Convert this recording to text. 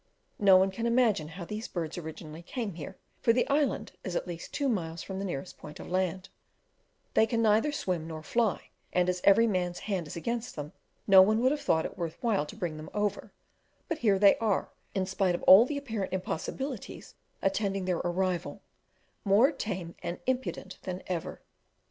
No one can imagine how these birds originally came here, for the island is at least two miles from the nearest point of land; they can neither swim nor fly; and as every man's hand is against them, no one would have thought it worth while to bring them over: but here they are, in spite of all the apparent impossibilities attending their arrival, more tame and impudent than ever.